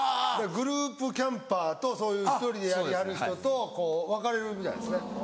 グループキャンパーとそういう１人でやる人と分かれるみたいですね。